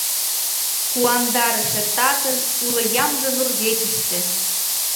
Куандарыше татын Уло ямже нурвечыште.